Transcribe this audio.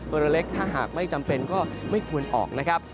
ตัวเล็กถ้าหากไม่จำเป็นก็ไม่ควรออกนะครับ